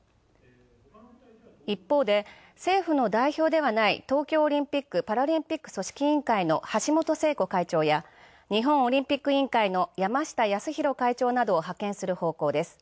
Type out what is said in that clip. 一方で、政府の代表ではない東京オリンピック・パラリンピック組織委員会の橋本聖子会長や日本オリンピック委員会の山下泰裕会長などを派遣する方向です。